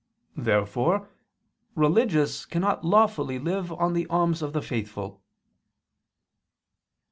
Therefore religious cannot lawfully live on the alms of the faithful.